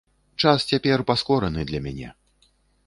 Час цяпер паскораны для мяне.